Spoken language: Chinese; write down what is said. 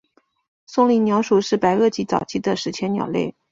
松岭鸟属是白垩纪早期的史前鸟类。